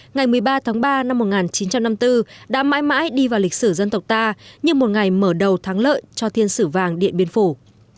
ngày một mươi ba tháng ba năm một nghìn chín trăm năm mươi bốn đã mãi mãi đi vào lịch sử dân tộc ta như một ngày mở đầu thắng lợi cho thiên sử vàng điện biên phủ